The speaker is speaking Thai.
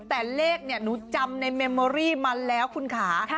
แต่เลขเนี่ยหนูจำในเมมเมอรี่มาแล้วคุณค่ะ